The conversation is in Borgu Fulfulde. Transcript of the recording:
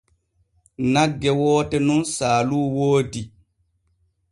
Nagge woote nun saalu woodi.